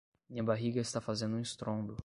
minha barriga está fazendo um estrondo